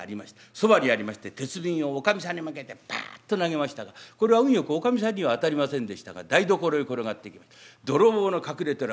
そばにありました鉄瓶をおかみさんに向けてパッと投げましたがこれは運よくおかみさんには当たりませんでしたが台所へ転がっていきまして泥棒の隠れてる頭の上で熱いやつがザバッと。